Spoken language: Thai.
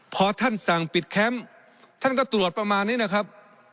พอท่านสั่งปิดแคมป์ท่านก็ตรวจประมาณนี้นะครับ